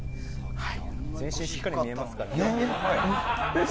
全身もしっかり見えますからね。